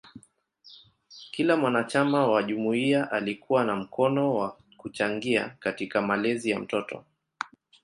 Kila mwanachama wa jumuiya alikuwa na mkono kwa kuchangia katika malezi ya mtoto.